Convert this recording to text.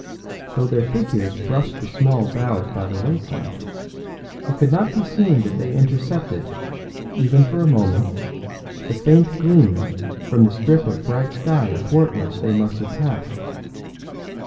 Though their figures brushed the small boughs by the wayside, it could not be seen that they intercepted, even for a moment, the faint gleam from the strip of bright sky athwart which they must have passed.